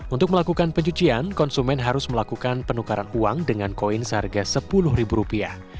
untuk melakukan pencucian konsumen harus melakukan penukaran uang dengan koin seharga sepuluh ribu rupiah